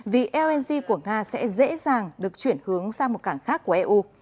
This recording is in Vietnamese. vì lng của nga sẽ dễ dàng được chuyển hướng sang một cảng khác của eu